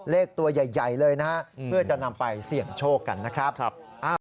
เลขตัวใหญ่เลยนะฮะเพื่อจะนำไปเสี่ยงโชคกันนะครับ